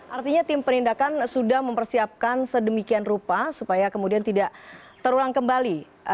artinya tim penindakan sudah mempersiapkan sedemikian rupa supaya kemudian tidak terulang kembali